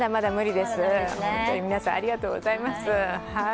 本当に皆さん、ありがとうございます。